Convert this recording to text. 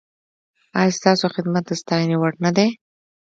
ایا ستاسو خدمت د ستاینې وړ نه دی؟